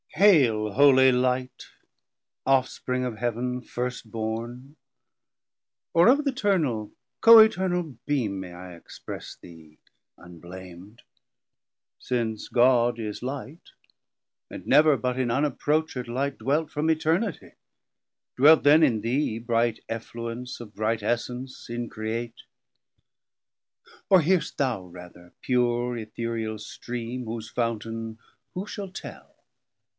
Hail holy light, ofspring of Heav'n first born, Or of th' Eternal Coeternal beam May I express thee unblam'd? since God is light, And never but in unapproached light Dwelt from Eternitie, dwelt then in thee, Bright effluence of bright essence increate. Or hear'st thou rather pure Ethereal stream, Whose Fountain who shall tell?